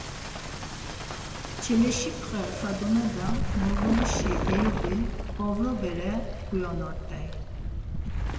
Çeleşipxe Fadume do Murğulişi Eyubi ovro bere uyonurt̆ey.